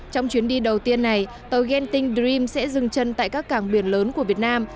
trong chuyến đi đầu tiên này tàu genting dream sẽ dừng chân tại các cảng biển lớn của việt nam